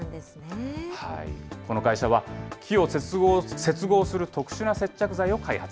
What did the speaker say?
この会社は木を接合する特殊な接着剤を開発。